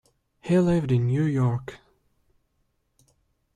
He lived in New York.